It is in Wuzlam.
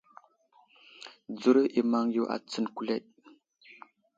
Dzəro i maŋ yo a tsəŋ kuleɗ.